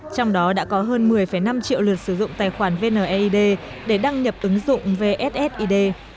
trong đó đã có hơn một mươi năm triệu lượt sử dụng tài khoản vneid để đăng nhập ứng dụng vssid